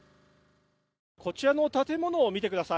こちらの建物を見てください。